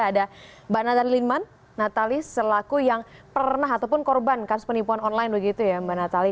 ada mbak nataliman natali selaku yang pernah ataupun korban kasus penipuan online begitu ya mbak natali